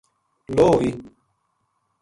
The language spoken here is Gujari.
لو ہوئی